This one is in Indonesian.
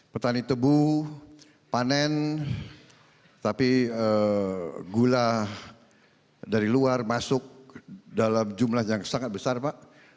petani tebu panen tapi gula dari luar masuk dalam jumlah yang sangat besar pak